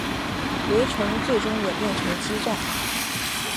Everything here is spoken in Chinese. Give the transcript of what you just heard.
围城最终演变成激战。